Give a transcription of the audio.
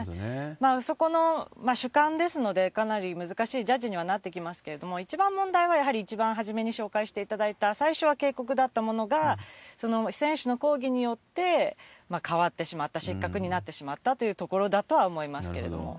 そこの主観ですので、かなり難しいジャッジにはなってきますけれども、一番問題は、やはり一番初めに紹介していただいた、最初は警告だったものが、その選手の抗議によって変わってしまった、失格になってしまったというところだとは思いますけれども。